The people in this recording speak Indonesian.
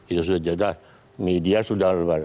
itu sudah media sudah